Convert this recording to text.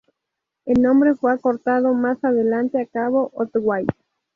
El nombre fue acortado más adelante a cabo Otway.